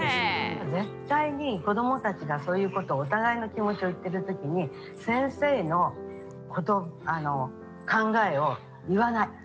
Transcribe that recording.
絶対に子どもたちがそういうことをお互いの気持ちを言ってる時に先生の考えを言わない。